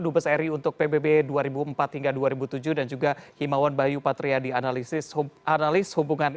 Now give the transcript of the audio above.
dubeseri untuk pbb dua ribu empat dua ribu tujuh dan juga himawan bayu patriadi analisis analisis hubungan